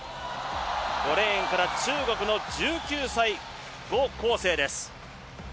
５レーンから中国の１９歳、牛廣盛です。